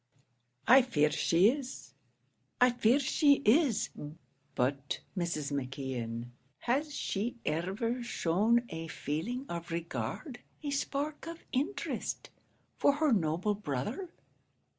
"I fear she is I fear she is; but, Mrs. McKeon, has she ever shown a feeling of regard a spark of interest, for her noble brother?